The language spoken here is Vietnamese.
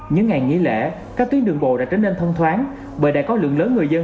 những ngày nghỉ lễ các tuyến đường bộ đã trở nên thông thoáng bởi đã có lượng lớn người dân